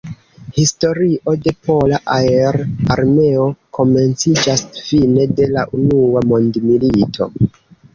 Historio de Pola Aer-Armeo komenciĝas fine de la unua mondmilito.